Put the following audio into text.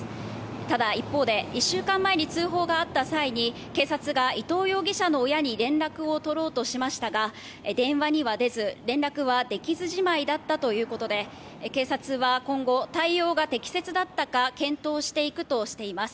ただ、一方で１週間前に通報があった際に警察が伊藤容疑者の親に連絡を取ろうとしましたが電話には出ず連絡はできずじまいだったということで警察は今後、対応が適切だったか検討していくとしています。